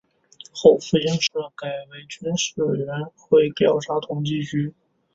后复兴社改为军事委员会调查统计局。